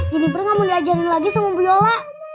jenifer nggak mau diajarin lagi sama bu yola